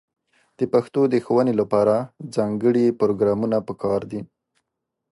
د پښتو د ښوونې لپاره ځانګړې پروګرامونه په کار دي.